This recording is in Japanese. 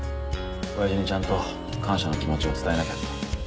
親父にちゃんと感謝の気持ちを伝えなきゃって。